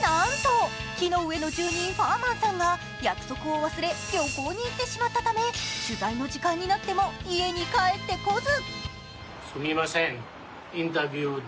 なんと木の上の住人、ファーマンさんが約束を忘れ、旅行に行ってしまったため、取材の時間になっても家に帰ってこず。